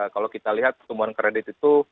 kalau kita lihat tumbuhan kredit itu